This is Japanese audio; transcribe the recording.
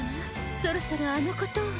そろそろあのことを。